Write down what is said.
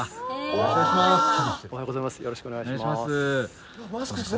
おはようございます。